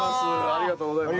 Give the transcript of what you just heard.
ありがとうございます。